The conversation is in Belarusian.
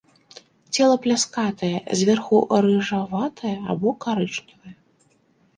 Цела пляскатае, зверху рыжаватае або карычневае.